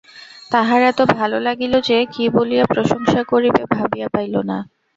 তাহার এত ভালো লাগিল যে, কী বলিয়া প্রশংসা করিবে ভাবিয়া পাইল না।